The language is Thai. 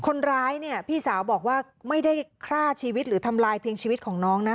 คนร้ายเนี่ยพี่สาวบอกว่าไม่ได้ฆ่าชีวิตหรือทำลายเพียงชีวิตของน้องนะ